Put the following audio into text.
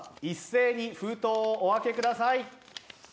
一斉に封筒をお開けください。